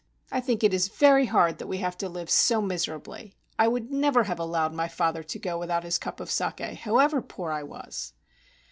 I think it is very hard that we have to live so miserably. I would never have allowed my father to go without his cup of saki, however poor I was."